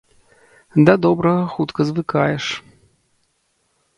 Да добрага хутка звыкаеш.